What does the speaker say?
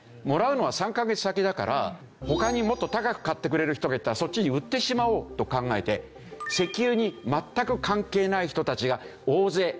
もらうのは３か月先だから他にもっと高く買ってくれる人がいたらそっちに売ってしまおうと考えて石油に全く関係ない人たちが大勢。